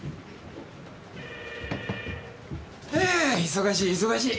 あ忙しい忙しい。